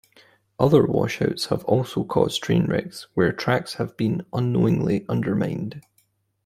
Other washouts have also caused train wrecks where tracks have been unknowingly undermined.